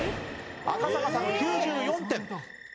赤坂さん９４点。